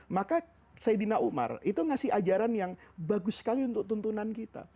maka saidina umar itu ngasih ajaran yang bagus sekali untuk tuntunan kita